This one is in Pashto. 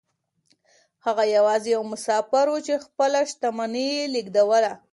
هغه يوازې يو مسافر و چې خپله شتمني يې لېږدوله.